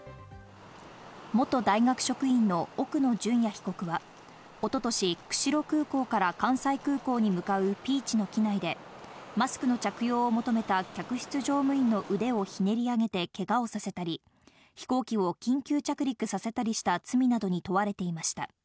元大学職員の奥野淳也被告は一昨年、釧路空港から関西空港に向かうＰｅａｃｈの機内でマスクの着用を求めた客室乗務員の腕を捻り上げてけがをさせたり、飛行機を緊急着陸させたりした罪などに問われていました。